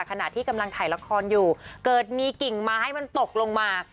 ขณะที่กำลังถ่ายละครอยู่เกิดมีกิ่งไม้มันตกลงมา